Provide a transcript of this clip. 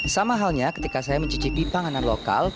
sama halnya ketika saya mencicipi panganan lokal